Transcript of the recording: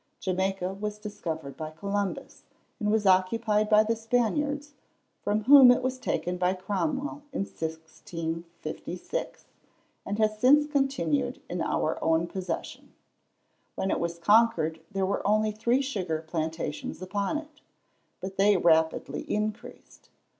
Jamaica was discovered by Columbus, and was occupied by the Spaniards, from whom it was taken by Cromwell, in 1656, and has since continued in our own possession. When it was conquered there were only three sugar plantations upon it. But they rapidly increased.